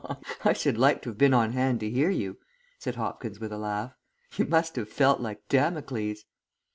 "I should like to have been on hand to hear you," said Hopkins with a laugh. "You must have felt like Damocles!"